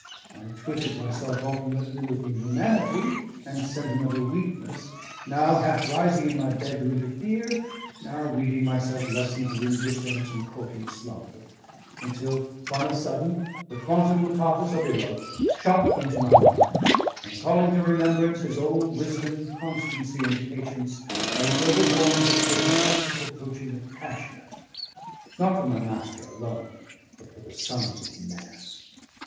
I twitted myself alternately with inhumanity and sentimental weakness, now half rising in my bed to interfere, now reading myself lessons of indifference and courting slumber, until, upon a sudden, the quantum mutatus ab illo shot into my mind; and calling to remembrance his old wisdom, constancy, and patience, I was overborne with a pity almost approaching the passionate, not for my master alone, but for the sons of man.